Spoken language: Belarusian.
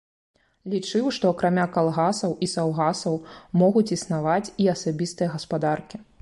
Лічыў, што акрамя калгасаў і саўгасаў могуць існаваць і асабістыя гаспадаркі.